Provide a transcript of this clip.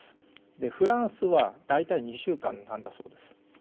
でフランスは大体２週間なんだそうです。